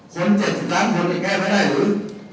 คน๗๓คนแก้ไม่ได้หรือ